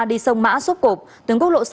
đi sông mã xốp cục tuyến quốc lộ sáu